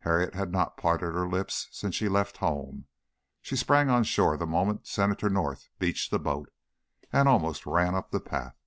Harriet had not parted her lips since she left home. She sprang on shore the moment Senator North beached the boat, and almost ran up the path.